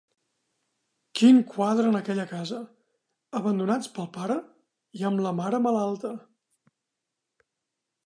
Quin quadre, en aquella casa: abandonats pel pare i amb la mare malalta!